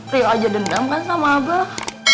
rio aja dendam kan sama abah